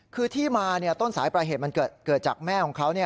คือที่มาต้นสายปลายเหตุมันเกิดจากแม่ของเขา